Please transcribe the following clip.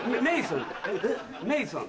メイさん？